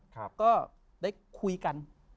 ก็ได้คุยกัน